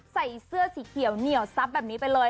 ใส่เสื้อสีเขียวเหนียวซับแบบนี้ไปเลย